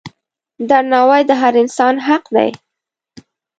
درناوی د هر انسان حق دی.